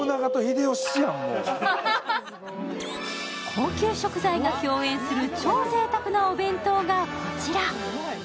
高級食材が共演する超ぜいたくなお弁当がこちら。